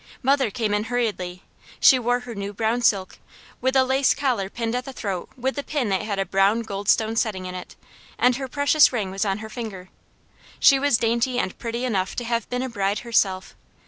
Mother came in hurriedly. She wore her new brown silk, with a lace collar pinned at the throat with the pin that had a brown goldstone setting in it, and her precious ring was on her finger. She was dainty and pretty enough to have been a bride herself.